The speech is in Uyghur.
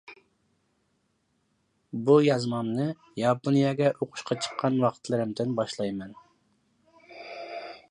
بۇ يازمامنى ياپونىيەگە ئوقۇشقا چىققان ۋاقىتلىرىمدىن باشلايمەن.